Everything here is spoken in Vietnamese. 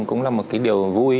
cũng là một cái điều vui